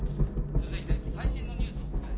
続いて最新のニュースをお伝えします。